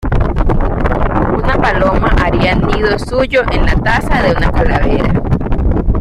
Una paloma haría nido suyo en la taza de una calavera.